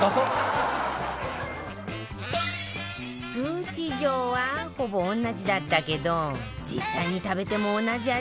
数値上はほぼ同じだったけど実際に食べても同じ味になってるかしら？